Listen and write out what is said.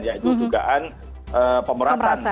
yaitu dugaan pemerahasan